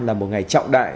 là một ngày trọng đại